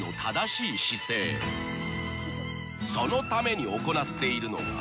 ［そのために行っているのが］